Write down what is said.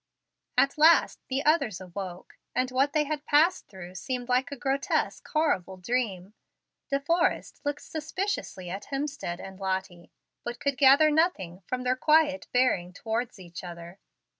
At last the others awoke, and what they had passed through seemed like a grotesque, horrible dream. De Forrest looked suspiciously at Hemstead and Lottie, but could gather nothing from their quiet bearing towards each other.